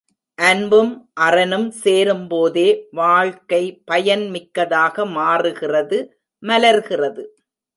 அன்பும் அறனும் சேரும் போதே வாழ்க்கை பயன்மிக்கதாக மாறுகிறது மலர்கிறது.